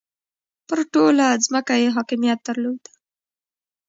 پر ټوله ځمکه یې حاکمیت درلود.